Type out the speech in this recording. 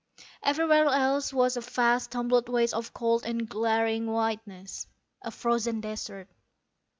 Everywhere else was a vast tumbled waste of cold and glaring whiteness, a frozen desert.